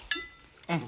うん。